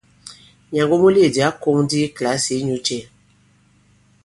Nyàngo muleèdi ǎ kōŋ ndi i kìlasì inyū cɛ ?